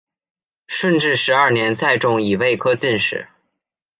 顺治十二年再中乙未科进士。